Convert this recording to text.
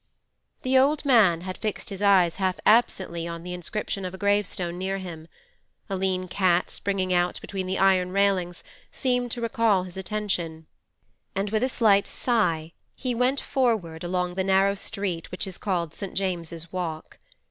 The old man had fixed his eyes half absently on the inscription of a gravestone near him; a lean cat springing out between the iron railings seemed to recall his attention, and with a slight sigh he went forward along the narrow street which is called St. James's Walk.